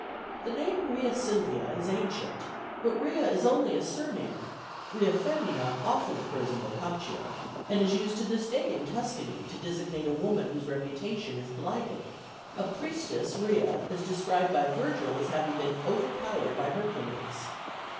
The name Rea Silvia is ancient, but Rea is only a surname: rea femmina often occurs in Boccaccio, and is used to this day in Tuscany to designate a woman whose reputation is blighted; a priestess Rea is described by Vergil as having been overpowered by Hercules.